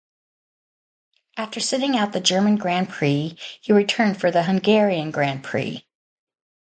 After sitting out the German Grand Prix he returned for the Hungarian Grand Prix.